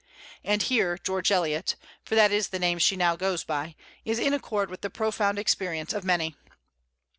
And here George Eliot for that is the name she now goes by is in accord with the profound experience of many.